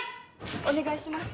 お願いします。